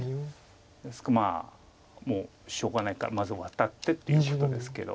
ですからもうしょうがないからまずワタってということですけど。